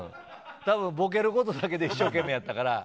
ボケることだけで一生懸命やったから。